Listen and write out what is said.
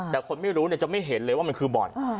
แต่คนไม่รู้จะไม่เห็นเลยว่ามันคือบ่อน